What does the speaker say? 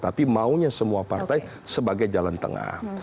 tapi maunya semua partai sebagai jalan tengah